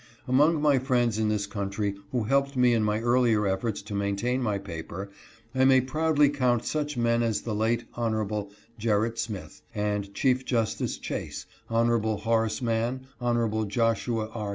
Among my friends in this country, who helped me in my earlier efforts to maintain my paper, I may proudly count such men as the late Hon. Gerrit Smith, and Chief Justice Chase, Hon. Horace Mann, Hon. Joshua R.